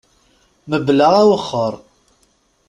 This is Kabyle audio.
Mebla awexxer.